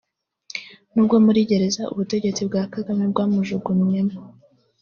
n’ubwo muri gereza ubutegetsi bwa Kagame bwamujugumyemo